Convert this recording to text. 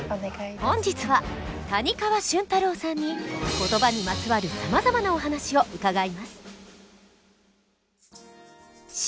本日は谷川俊太郎さんに言葉にまつわるさまざまなお話を伺います。